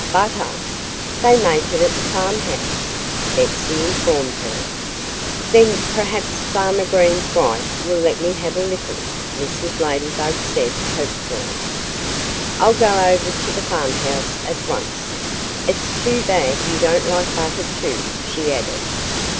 "Butter? They make it at the farmhouse," Betsy informed her. "Then perhaps Farmer Green's wife will let me have a little," Mrs. Ladybug said hopefully. "I'll go over to the farmhouse at once.... It's too bad you don't like butter, too," she added.